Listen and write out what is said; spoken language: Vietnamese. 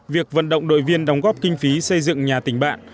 việc vận động đội viên đóng góp kinh phí xây dựng nhà tình bạn